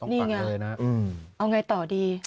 นี่ไงเอาไงต่อดี